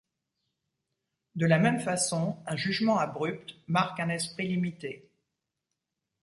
De la même façon, un jugement abrupt marque un esprit limité.